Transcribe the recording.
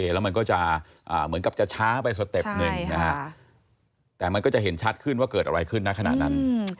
ไม่เคยเห็นชัดขึ้นว่าเกิดอะไรขึ้นณขณะนั้น